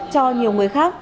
cho nhiều người khác